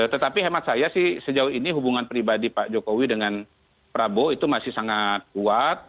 tetapi hemat saya sih sejauh ini hubungan pribadi pak jokowi dengan prabowo itu masih sangat kuat